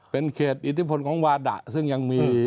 เป็นเขตอิทธิพลของวาดะซึ่งยังมี